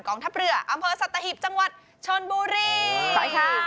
กองทับเหลืออำเภอสัตธาฮิบจังหวัดชนบูรีได้ค่ะ